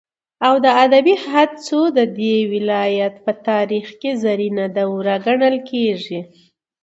او د ادبي هڅو ددې ولايت په تاريخ كې زرينه دوره گڼل كېږي.